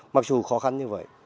mặc dù khó khăn như vậy